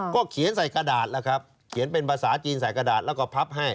ก็เขียนใส่กระดาษแล้วครับเขียนเป็นภาษาจีนใส่กระดาษแล้วก็พับให้